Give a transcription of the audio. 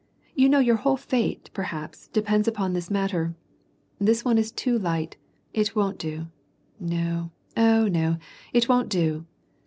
you know your whole fate, perhaps, depends upon this mat ter. This one is too light ; it won't do ! no, oh, no ! it won't do